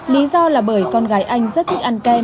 lý do là bởi con gái anh rất thích ăn kem